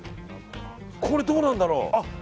これ、どうなんだろう。